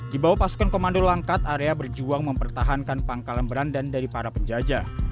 di bawah pasukan komando langkat area berjuang mempertahankan pangkalan berandan dari para penjajah